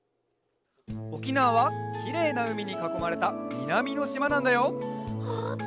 おきなわはきれいなうみにかこまれたみなみのしまなんだよほんと！